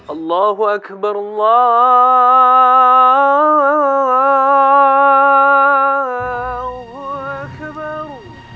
allahu akbar allahu akbar